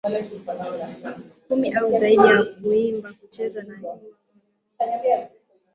kumi au zaidi za kuimba kucheza na ibada Wapiganaji wa IlOodokilani hufanya aina ya